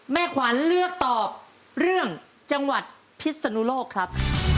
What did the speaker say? ขวัญเลือกตอบเรื่องจังหวัดพิศนุโลกครับ